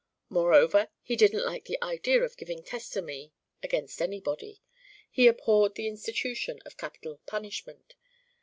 Moreover, he didn't like the idea of giving testimony against anybody; he abhorred the institution of capital punishment.